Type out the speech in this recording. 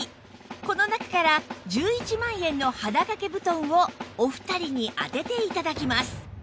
この中から１１万円の肌掛け布団をお二人に当てて頂きます